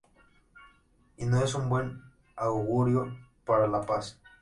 Y no es un buen augurio para la paz.